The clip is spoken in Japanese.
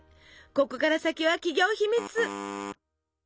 ここから先は企業秘密！